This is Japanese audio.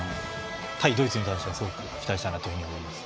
対ドイツに対してはすごく期待したいと思います。